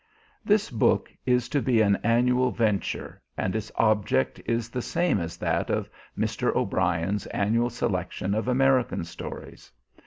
This book is to be an annual venture and its object is the same as that of Mr. O'Brien's annual selection of American stories.